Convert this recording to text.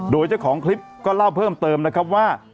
โดยเจ้าของคลิปก็เล่าเพิ่มเติมนะครับว่า